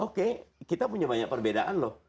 oke kita punya banyak perbedaan loh